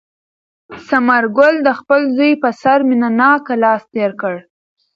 ثمر ګل د خپل زوی په سر مینه ناک لاس تېر کړ.